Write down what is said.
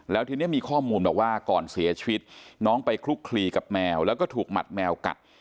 แล้วทีนี้มีข้อมูลบอกว่าก่อนเสียชีวิตน้องไปคลุกคลีกับแมวแล้วก็ถูกหมัดแมวกัด